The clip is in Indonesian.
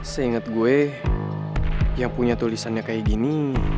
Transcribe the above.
seingat gue yang punya tulisannya kayak gini